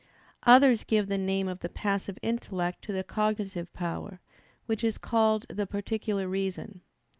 Others give the name of passive intellect to the cogitative power, which is called the "particular reason."